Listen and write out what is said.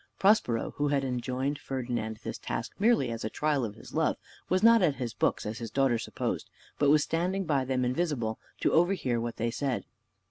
Prospero, who had enjoined Ferdinand this task merely as a trial of his love, was not at his books, as his daughter supposed, but was standing by them invisible, to overhear what they said.